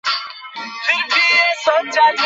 আর আস্তে আস্তে দাগ বসে যায়।